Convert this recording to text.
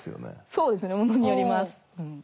そうですねものによります。